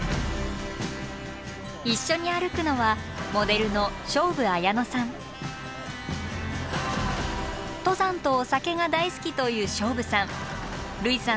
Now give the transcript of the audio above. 一緒に歩くのはモデルの登山とお酒が大好きという菖蒲さん。